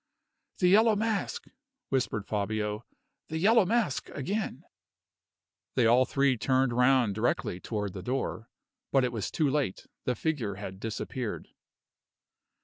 "The Yellow Mask!" whispered Fabio. "The Yellow Mask again!" They all three turned round directly toward the door. But it was too late the figure had disappeared.